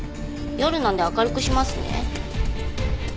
夜なんで明るくしますね。